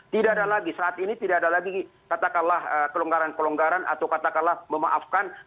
tidak ada lagi saat ini tidak ada lagi katakanlah kelonggaran kelonggaran atau katakanlah memaafkan